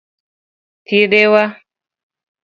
Thiedhe wa.